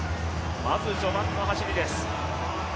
まず序盤の走りです。